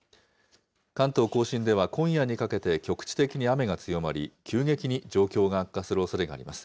関東甲信では、今夜にかけて局地的に雨が強まり、急激に状況が悪化するおそれがあります。